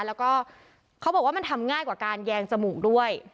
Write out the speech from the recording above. แล้วก็เขาบอกว่ามันทำง่ายกว่าการแยงจมูกด้วย